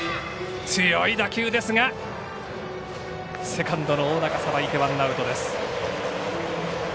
強い打球ですがセカンドの大仲がさばいてワンアウトです。